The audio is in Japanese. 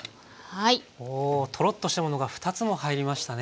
おとろっとしたものが２つも入りましたね